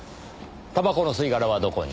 タバコの吸い殻はどこに？